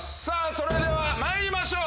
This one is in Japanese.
それでは参りましょう。